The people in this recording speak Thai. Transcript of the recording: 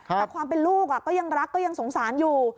แต่ความเป็นลูกก็ยังรักก็ยังสงสารอยู่